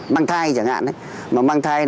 mang thai chẳng hạn mà mang thai